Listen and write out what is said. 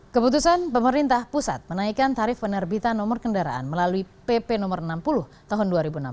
keputusan pemerintah pusat menaikkan tarif penerbitan nomor kendaraan melalui pp no enam puluh tahun dua ribu enam belas